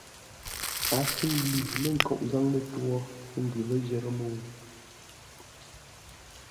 A sʉʉ lʉ lə̂ nkoʼ zâŋ lətwǒ, ə́ ngʉ ləjərə́ mə́u.